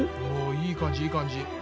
いい感じいい感じ。